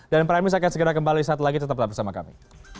dan pramil saya akan segera kembali satu lagi tetap bersama kami